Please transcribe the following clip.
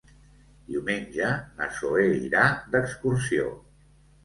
Diumenge na Zoè irà d'excursió.